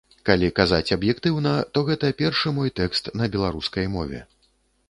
Калі казаць аб'ектыўна, то гэта першы мой тэкст на беларускай мове.